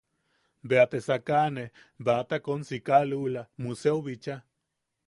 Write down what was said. Beate sakane Ba- takonsika lula Museo bicha.